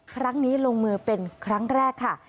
ครั้งนี้ลงมือเป็นครั้งแรกค่ะ